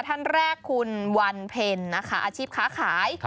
ท่านแรกคุณวันเพ็ญนะคะอาชีพค้าขาย